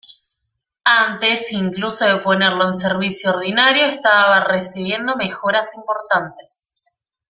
Antes incluso de ponerlo en servicio ordinario estaba recibiendo mejoras importantes.